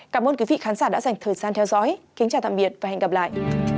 cảm ơn quý vị đã theo dõi hẹn gặp lại